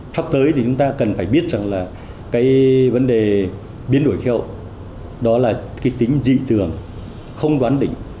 pháp tới thì chúng ta cần phải biết rằng là cái vấn đề biến đổi khéo đó là cái tính dị tưởng không đoán đỉnh